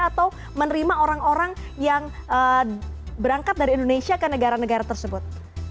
atau menerima orang orang yang berangkat dari indonesia ke negara negara tersebut